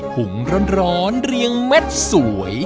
หุงร้อนเรียงเม็ดสวย